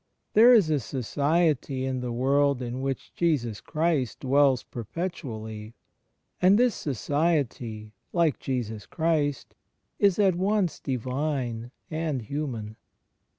There is a Society in the world in which Jesus Christ dwells perpetually; and this Society, like Jesus Christ, is at once Divine and hiunan.